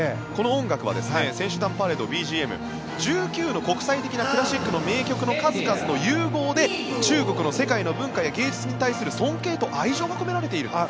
この音楽は選手団パレードＢＧＭ１９の国際的なクラシックの名曲の数々の融合で中国の世界の文化や芸術に対する尊敬や愛情が込められている。